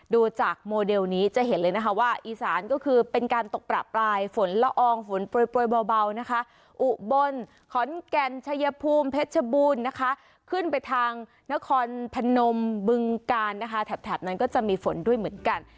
ดูจากโมเดลนี้จะเห็นเลยนะคะว่าอีสานก็คือเป็นการตกประปรายฝนละอองฝนโปรยเบานะคะอุบลขอนแก่นชัยภูมิเพชรบูรณ์นะคะขึ้นไปทางนครพนมบึงกาลนะคะแถบนั้นก็จะมีฝนด้วยเหมือนกัน